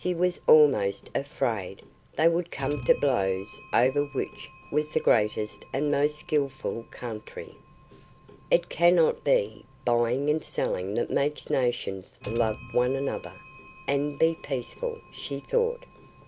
Lucy was almost afraid they would come to blows over which was the greatest and most skilful country. "It cannot be buying and selling that make nations love one another, and be peaceful," she thought.